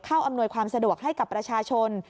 อำนวยความสะดวกให้กับประชาชน